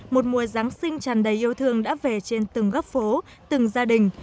một mùa giáng sinh tràn đầy yêu thương đã về trên từng góc phố từng gia đình